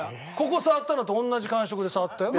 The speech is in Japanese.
ここ触ったのと同じ感触で触ったよ。